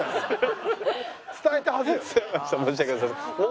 伝えたはずよね？